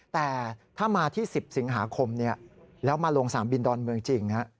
แต่ถ้ามาที่๑๐สิงหาคมแล้วมาลงสนามบินดอนเมืองจริง